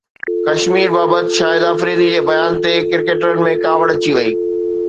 ڪشمير بابت شاهد آفريدي جي بيان تي ڪرڪيٽرن ۾ ڪاوڙ اچي وئي